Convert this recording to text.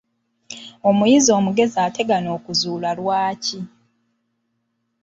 Omuyizi omugezi ategana okuzuula Lwaki?